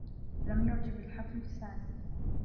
لم يعجب الحفل سامي.